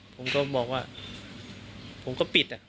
ผมก็บอกว่าผมก็ปิด